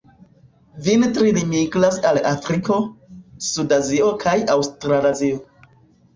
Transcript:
Vintre ili migras al Afriko, suda Azio kaj Aŭstralazio.